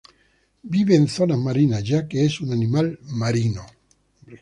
Vive en zonas marinas ya que es un animal marino.